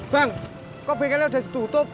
bang kok bengkelnya sudah ditutup